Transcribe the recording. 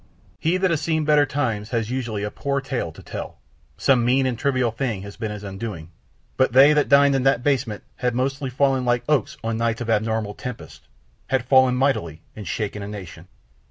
He that has seen better times has usually a poor tale to tell, some mean and trivial thing has been his undoing, but they that dined in that basement had mostly fallen like oaks on nights of abnormal tempest, had fallen mightily and shaken a nation.